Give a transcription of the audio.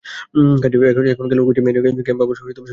কাজেই এখন খেলোয়াড় খুঁজে এনে ক্যাম্প আবার শুরু করতে অনেক সময় প্রয়োজন।